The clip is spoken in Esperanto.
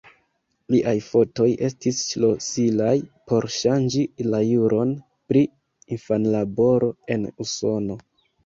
Liaj fotoj estis ŝlosilaj por ŝanĝi la juron pri infanlaboro en Usono.